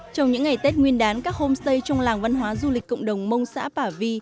trong những ngày tết nguyên đán các homestay trong làng văn hóa du lịch cộng đồng mông xã bà vi